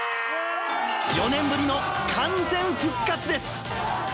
４年ぶりの完全復活です！